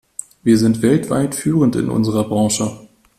Wir sind weltweit führend in unserer Branche.